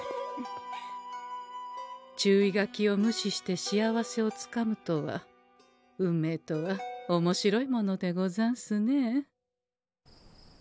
注意書きを無視して幸せをつかむとは運命とはおもしろいものでござんすねえ。